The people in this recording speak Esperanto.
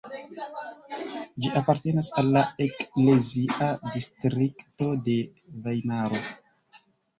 Ĝi apartenas al la eklezia distrikto de Vajmaro.